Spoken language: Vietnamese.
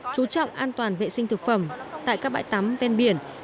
chú trọng an toàn vệ sinh thực phẩm tại các bãi tắm ven biển